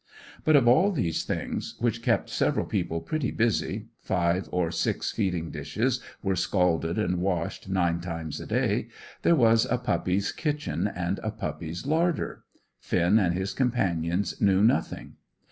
But of all these things, which kept several people pretty busy five or six feeding dishes were scalded and washed nine times a day; there was a puppy's kitchen and a puppy's larder Finn and his companions knew nothing.